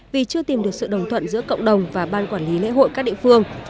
vì chưa tìm được sự đồng thuận giữa cộng đồng và ban quản lý lễ hội các địa phương